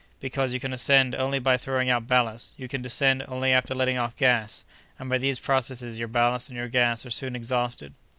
"Because you can ascend only by throwing out ballast; you can descend only after letting off gas, and by these processes your ballast and your gas are soon exhausted."